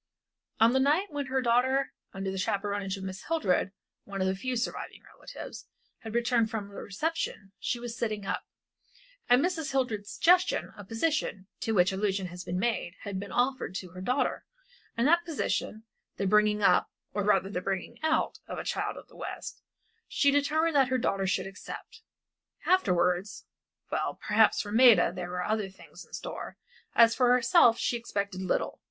On the night when her daughter, under the chaperonage of Mrs. Hildred, one of her few surviving relatives returned from the reception, she was still sitting up. At Mrs. Hildred's suggestion a position, to which allusion has been made, had been offered to her daughter, and that position the bringing up or rather the bringing out of a child of the West she determined that her daughter should accept. Afterwards well, perhaps for Maida there were other things in store, as for herself she expected little.